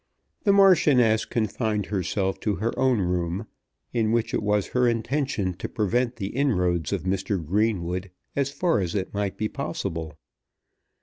The Marchioness confined herself to her own room, in which it was her intention to prevent the inroads of Mr. Greenwood as far as it might be possible.